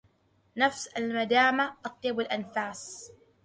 نفس المدامة أطيب الأنفاس